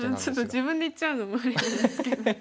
自分で言っちゃうのもあれなんですけど。